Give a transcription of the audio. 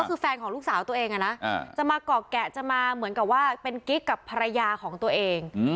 ก็คือแฟนของลูกสาวตัวเองจะมาก่อแกะจะมาเหมือนกับว่าเป็นกิ๊กกับภรรยาของตัวเอง